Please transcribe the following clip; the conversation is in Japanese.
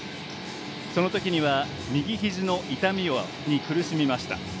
そのときには右ひじの痛みに苦しみました。